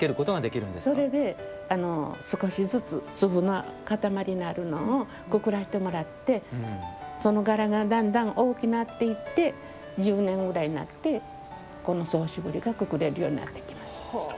それで少しずつ粒の固まりのあるのをくくらせてもらってその柄がだんだん大きなっていって１０年ぐらいになってこの総絞りがくくれるようになってきます。